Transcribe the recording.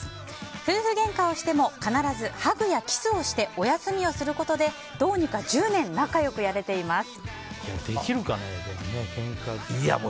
夫婦げんかをしても必ずハグやキスをしておやすみをすることでどうにか１０年できるかね、でも。